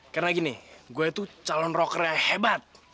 karena gini gue itu calon rockernya hebat